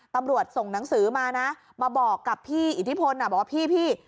ตำรวจส่งหนังสือมานะมาบอกกับพี่อิทธิพลบอกว่าพี่